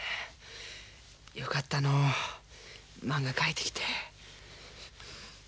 よかったのうまんが描いてきて。